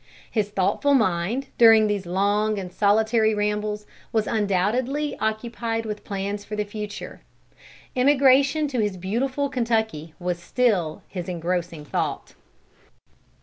His thoughtful mind, during these long and solitary rambles, was undoubtedly occupied with plans for the future. Emigration to his beautiful Kentucky was still his engrossing thought.